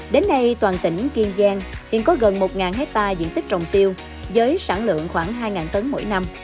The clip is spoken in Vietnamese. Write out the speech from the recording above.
đến nay toàn tỉnh kiên giang hiện có gần một hectare diện tích trồng tiêu với sản lượng khoảng hai tấn mỗi năm